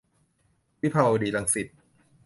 วิภาวดีรังสิต